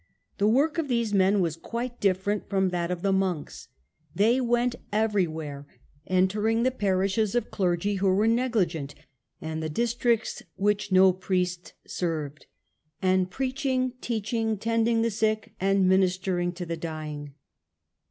The work of these men was quite different from that of the monks. They went everywhere, entering the parishes of clergy who were negligent, and the districts which no priest served, and preaching, teaching, tending the sick and ministering to the dying.